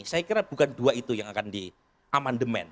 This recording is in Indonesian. saya kira bukan dua itu yang akan diamandemen